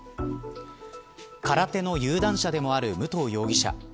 空手の有段者でもある武藤容疑者。